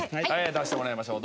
出してもらいましょう。